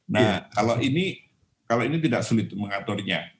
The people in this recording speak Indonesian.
nah kalau ini tidak sulit mengaturnya